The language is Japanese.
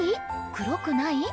黒くない？